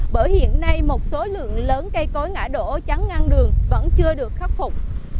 bởi hiện nay một số lượng lớn cây cối ngã đổ chắn ngang đường vẫn chưa được khắc phục